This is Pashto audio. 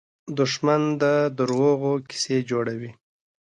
دښمن د دروغو قصې جوړوي